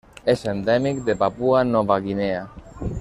És endèmic de Papua Nova Guinea.